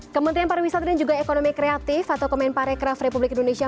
kementerian pariwisata dan juga ekonomi kreatif atau kemenparekraf republik indonesia